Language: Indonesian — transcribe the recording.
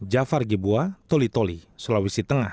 jafar gibwa tolitoli sulawesi tengah